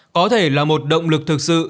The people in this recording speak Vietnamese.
có thể là một động lực thực sự